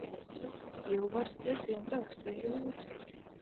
Ilvars trešdien brauks pie jūras.